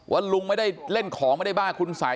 ลุงไม่ได้เล่นของไม่ได้บ้าคุณใส่